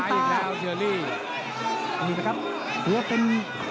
ไปขวาเป็น